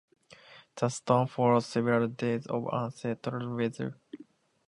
The storm followed several days of unsettled weather.